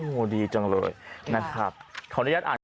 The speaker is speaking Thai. โหดีจังเลยขออนุญาตอ่านกันนะครับ